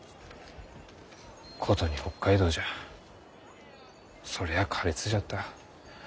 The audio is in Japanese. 殊に北海道じゃそりゃあ苛烈じゃった。